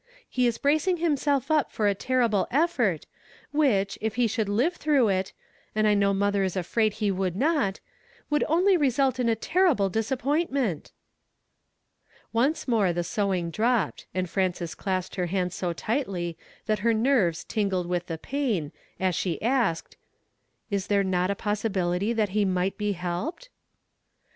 He is bracing himself up for a terrible effort, which, if he should live through it, — and I know mother is afraid he would not, — ^vould only result in a terrible disappoint ment." Once more the sewing dropped, and Frances clasped her hands so tightly that her nerves tingled with the piiin, as she asked, — "Is there not a possibility that he might be helped